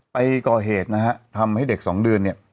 ไปก่อเหตุนะฮะทำให้เด็กสองเดือนเนี่ย